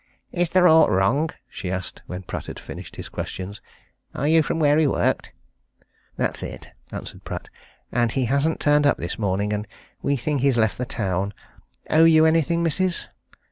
"Is there aught wrong?" she asked, when Pratt had finished his questions. "Are you from where he worked?" "That's it," answered Pratt, "And he hasn't turned up this morning, and we think he's left the town. Owe you anything, missis?"